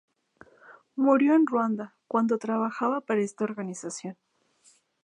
Murió en Ruanda cuando trabajaba para esta organización.